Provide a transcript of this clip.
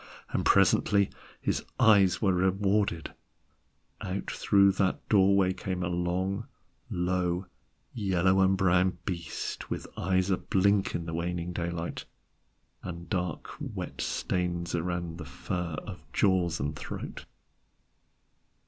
And presently his eyes were rewarded: out through that doorway came a long, low, yellow and brown beast, with eyes a blink at the waning daylight, and dark wet stains around the fur of jaws and throat.